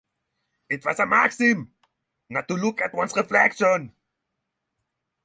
It was a maxim not to look at one’s reflection.